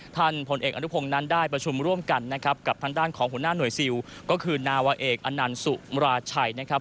พลเอกอนุพงศ์นั้นได้ประชุมร่วมกันนะครับกับทางด้านของหัวหน้าหน่วยซิลก็คือนาวาเอกอนันต์สุมราชัยนะครับ